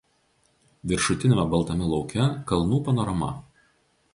Viršutiniame baltame lauke kalnų panorama.